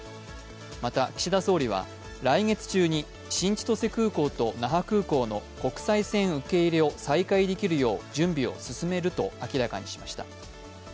また岸田総理は来月中に新千歳空港と那覇空港の国際線受け入れを再開できるよう準備を進めると明らかにしました。